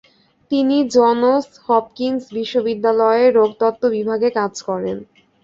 তিনি Johns Hopkins বিশ্ববিদ্যালয় এর রোগতত্ত্ব বিভাগে কাজ করেন।